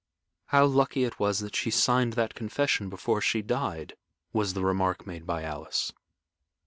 "How lucky it was that she signed that confession before she died," was the remark made by Alice.